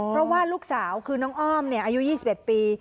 เพราะว่าลูกสาวคือน้องอ้อมอายุ๒๑ปี